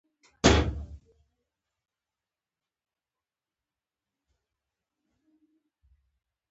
که غریب مړ شې دا ستا تېروتنه ده.